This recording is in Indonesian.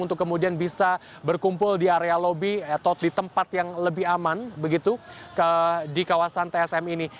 untuk kemudian bisa berkumpul di area lobi atau di tempat yang lebih aman begitu di kawasan tsm ini